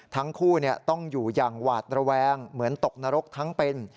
ทั้งคู่ต้องอยู่อย่างหวาดระแวงเหมือนตกนรกทั้งเป็น